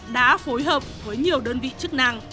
đã phối hợp với nhiều đơn vị chức năng